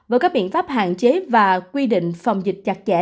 với các biện pháp hạn chế và quy định phòng dịch chặt chẽ